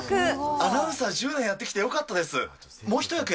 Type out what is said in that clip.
アナウンサー１０年やってきてよかったです。